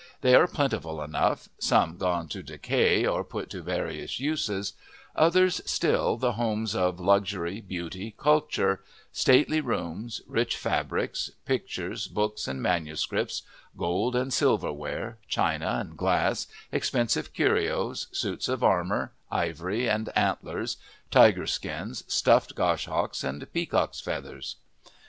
They are plentiful enough, some gone to decay or put to various uses; others still the homes of luxury, beauty, culture: stately rooms, rich fabrics; pictures, books, and manuscripts, gold and silver ware, china and glass, expensive curios, suits of armour, ivory and antlers, tiger skins, stuffed goshawks and peacocks' feathers.